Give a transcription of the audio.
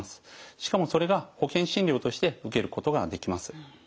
しかもそれが保険診療として受けることができます。